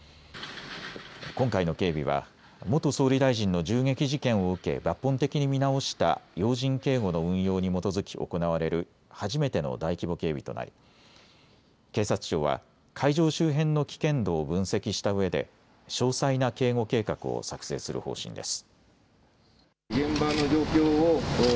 今回の警備は元総理大臣の銃撃事件を受け抜本的に見直した要人警護の運用に基づき行われる初めての大規模警備となり警察庁は会場周辺の危険度を分析したうえで詳細な警護計画を作成する方針です。